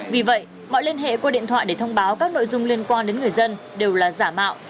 vì vậy mọi liên hệ qua điện thoại để thông báo các nội dung liên quan đến người dân đều là giả mạo